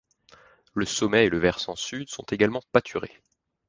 Le sommet et le versant sud sont également pâturés.